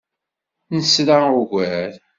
Nesra ugar.